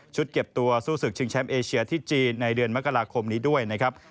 เก็บตัวสู้ศึกชิงแชมป์เอเชียที่จีนในเดือนมกราคมนี้ด้วยนะครับ